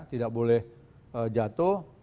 tidak boleh jatuh